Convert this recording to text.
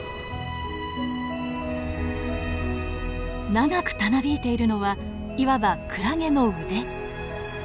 長くたなびいているのはいわばクラゲの腕。